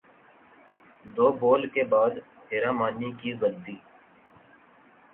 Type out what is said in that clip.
دو بول کے بعد حرا مانی کی غلطی